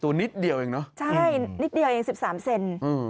ตัวนิดเดียวเองเนาะใช่นิดเดียวเอง๑๓เซน